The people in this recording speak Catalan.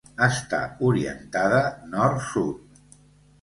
Està orientada nord-sud.